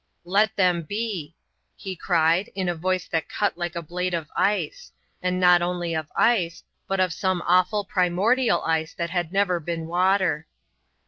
"Let them be," he cried in a voice that cut like a blade of ice; and not only of ice, but of some awful primordial ice that had never been water.